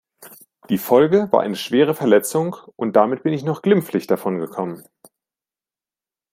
Die Folge war eine schwere Verletzung und damit bin ich noch glimpflich davon gekommen.